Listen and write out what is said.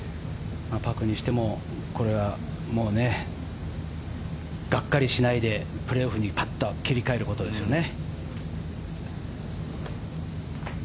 パクにしてもこれはもうがっかりしないでプレーオフにパッと切り替えることですね。